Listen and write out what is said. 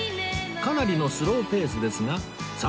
かなりのスローペースですがさあ